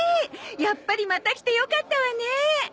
やっぱりまた来て良かったわね。